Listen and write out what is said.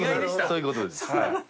そういう事です。